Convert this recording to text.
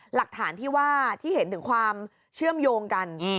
หลักฐานที่ว่าที่เห็นถึงความเชื่อมโยงกัน